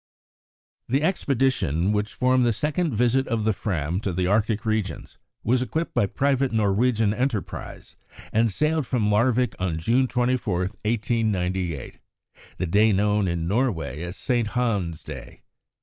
The expedition which formed the second visit of the Fram to the Arctic regions was equipped by private Norwegian enterprise, and sailed from Larvick on June 24, 1898, the day known in Norway as St. Hans Day.